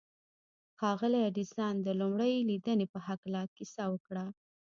ښاغلي ايډېسن د لومړۍ ليدنې په هکله کيسه وکړه.